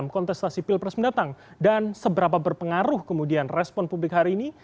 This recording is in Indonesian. kontestasi pilpres mendatang dan seberapa berpengaruh kemudian respon publik hari ini